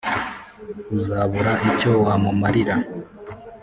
Uzabura icyo wamumarira